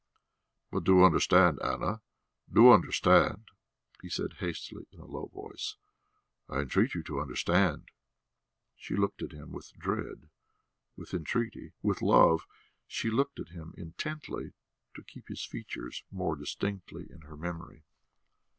"But do understand, Anna, do understand ..." he said hastily in a low voice. "I entreat you to understand...." She looked at him with dread, with entreaty, with love; she looked at him intently, to keep his features more distinctly in her memory.